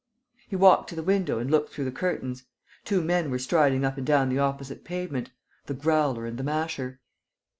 He walked to the window and looked through the curtains. Two men were striding up and down the opposite pavement: the Growler and the Masher.